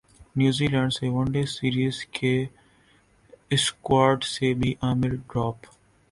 نیوزی Zealand one day series کے squad سے بھی عامر ڈراپ